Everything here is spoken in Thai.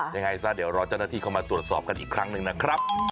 ยังไงซะเดี๋ยวรอเจ้าหน้าที่เข้ามาตรวจสอบกันอีกครั้งหนึ่งนะครับ